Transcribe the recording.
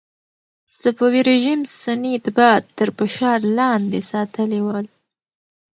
صفوي رژیم سني اتباع تر فشار لاندې ساتلي ول.